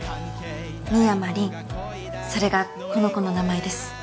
それがこの子の名前です。